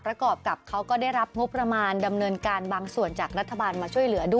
กรอบกับเขาก็ได้รับงบประมาณดำเนินการบางส่วนจากรัฐบาลมาช่วยเหลือด้วย